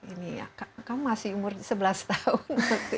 ini ya kamu masih umur sebelas tahun